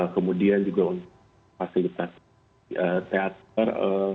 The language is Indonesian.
kemudian juga untuk fasilitas teater